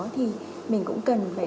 thì mình cũng cần phải